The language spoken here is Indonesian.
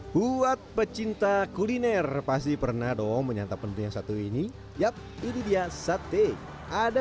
buat pecinta kuliner pasti pernah dong menyantap menu yang satu ini yap ini dia sate ada